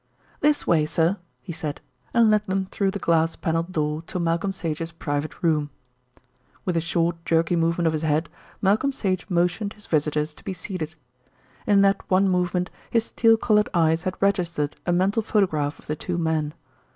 "This way, sir," he said, and led them through the glass panelled door to Malcolm Sage's private room. With a short, jerky movement of his head Malcolm Sage motioned his visitors to be seated. In that one movement his steel coloured eyes had registered a mental photograph of the two men.